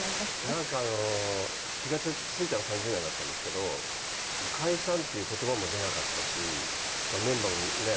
なんかあの気が付いたら３０年だったんですけど「解散」っていう言葉も出なかったしメンバーもね